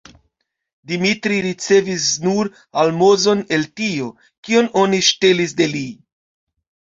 Dimitri ricevis nur almozon el tio, kion oni ŝtelis de li.